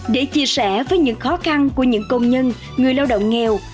để chia sẻ với những khó khăn của những công nhân người lao động nghèo